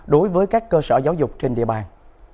đối với các cơ sở giáo dục trên địa bàn